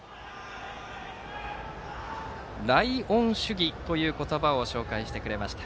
ライオン主義という言葉を紹介してくれました。